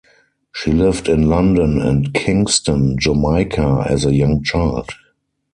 She lived in London and Kingston, Jamaica as a young child.